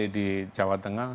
di jawa tengah